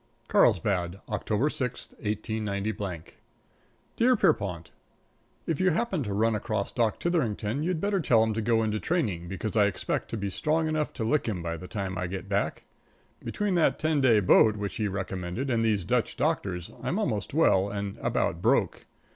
|++ XVI KARLSBAD, October 6, 189 Dear Pierrepont: If you happen to run across Doc Titherington you'd better tell him to go into training, because I expect to be strong enough to lick him by the time I get back. Between that ten day boat which he recommended and these Dutch doctors, I'm almost well and about broke.